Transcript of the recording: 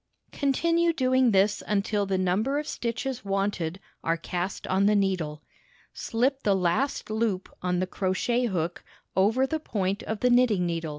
Continue doing this until the number of stitches wanted are cast on the needle. Slip the last loop on the crochet hook over the point of the knitting needle.